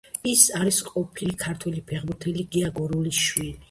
ის არის ყოფილი ქართველი ფეხბურთელის, გია გურულის შვილი.